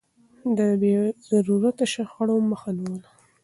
ده د بې ضرورته شخړو مخه نيوله.